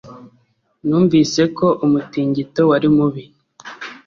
Numvise ko umutingito wari mubi